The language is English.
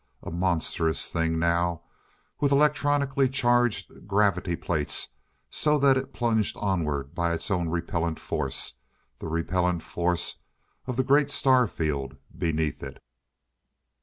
A monstrous thing now with electronically charged gravity plates so that it plunged onward by its own repellant force the repellant force of the great star field beneath it.